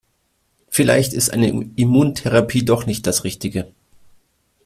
Vielleicht ist eine Immuntherapie doch nicht das Richtige.